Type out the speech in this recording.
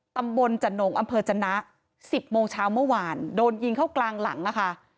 ตำบลจนงอำเภอจนะ๑๐โมงเช้าเมื่อวานโดนยิงเข้ากลางหลังนะคะ